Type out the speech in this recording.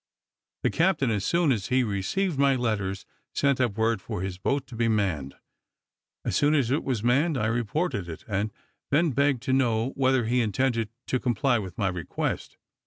The captain, as soon as he received my letters, sent up word for his boat to be manned. As soon as it was manned, I reported it, and then begged to know whether he intended to comply with my request.